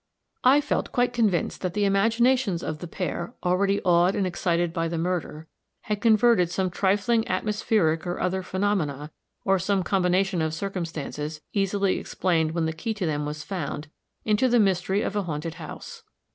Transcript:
I felt quite convinced that the imaginations of the pair, already awed and excited by the murder, had converted some trifling atmospheric or other phenomena, or some combination of circumstances, easily explained when the key to them was found, into the mystery of a haunted house.